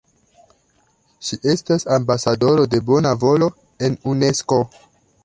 Ŝi estas ambasadoro de bona volo en Unesko.